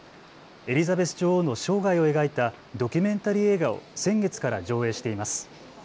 エリザベス女王の生涯を描いたドキュメンタリー映画を先月から上映しています。